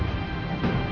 aku akan mencari kamu